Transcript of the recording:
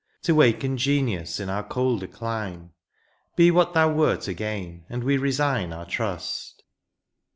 To waken genius in our colder clime ; Be what thou wert again, and we resign our trust.